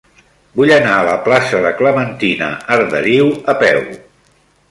Vull anar a la plaça de Clementina Arderiu a peu.